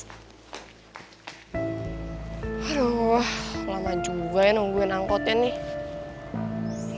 aduh lama juga ya nungguin angkotnya nih